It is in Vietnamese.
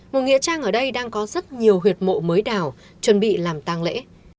một nghĩa trang ở đây đang có rất nhiều huyệt mộ mới đào chuẩn bị làm tăng lễ